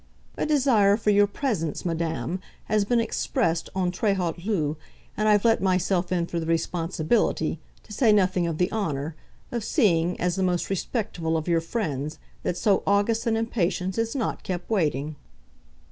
"A desire for your presence, Madame, has been expressed en tres haut lieu, and I've let myself in for the responsibility, to say nothing of the honour, of seeing, as the most respectful of your friends, that so august an impatience is not kept waiting."